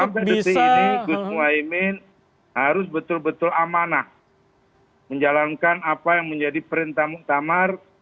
dan pada detik ini gus muwaimin harus betul betul amanah menjalankan apa yang menjadi perintah muktamar